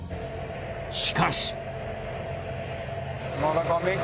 しかし。